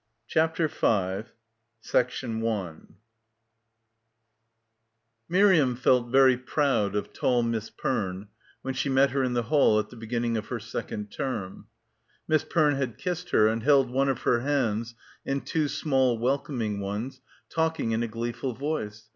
142 CHAPTER V MIRIAM fck very proud of tall Miss Pcrnc when she met her in the hall at the be ginning of her second term. Miss Perne had kissed her and held one of her hands in two small welcoming ones, talking in a gleeful voice.